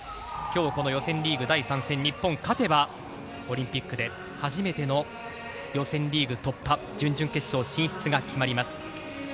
今日はこの予選リーグ第３戦、日本勝てばオリンピックで初めての予選リーグ突破、準々決勝進出が決まります。